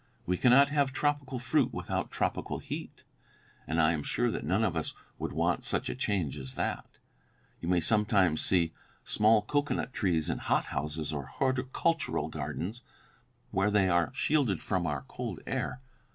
We cannot have tropical fruit without tropical heat, and I am sure that none of us would want such a change as that. You may sometimes see small cocoanut trees in hothouses or horticultural gardens, where they are shielded from our cold air.